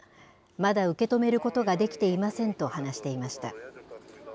まだ受け止めることができていませんと話していました。